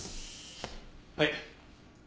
はい。